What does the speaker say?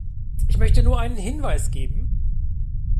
Ich möchte nur einen Hinweis geben.